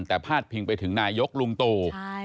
แต่พาดพิงไปถึงนายกลุงตู่